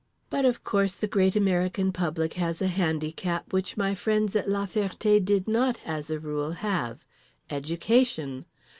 But of course The Great American Public has a handicap which my friends at La Ferté did not as a rule have—education.